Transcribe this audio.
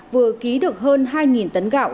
vừa ký được hơn hai tấn gạo